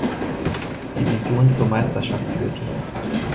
Division zur Meisterschaft führte.